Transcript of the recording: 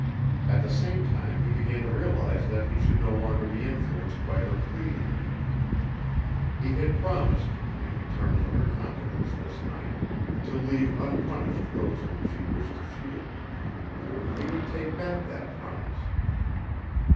At the same time he began to realize that he should no longer be influenced by her pleading. He had promised in return for her confidence this night to leave unpunished those whom she wished to shield. He would take back that promise.